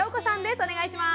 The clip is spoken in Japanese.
お願いします。